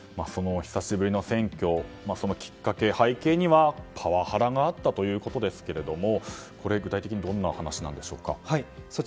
久しぶりの選挙のきっかけ、背景にはパワハラがあったということですが具体的にどんな話なんでしょうか。